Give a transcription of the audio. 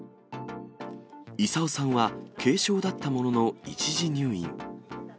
功さんは、軽症だったものの一時入院。